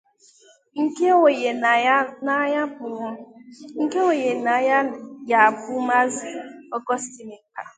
nke onye na-anya ya bụ Maazị Augustine Ikpa